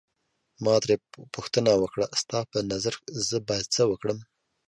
ما ترې پوښتنه وکړه ستا په نظر زه باید څه وکړم.